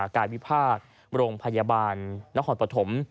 กายวิพากษ์โรงพยาบาลนครปฐม